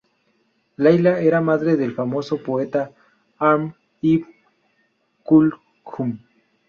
Laila era madre del famoso poeta Amr ibn Kulthum.